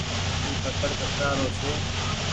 اي پڪڙ ڪترآ رو ڇي۔